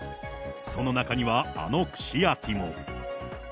その中にはあの串焼きも。